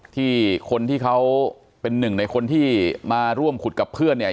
ที่คนที่เขาเป็นหนึ่งในคนที่มาร่วมขุดกับเพื่อนเนี่ย